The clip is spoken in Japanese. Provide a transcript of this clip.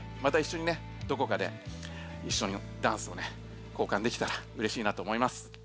またいっしょにねどこかでいっしょにダンスをねこうかんできたらうれしいなと思います。